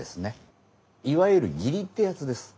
いわゆる義理ってやつです。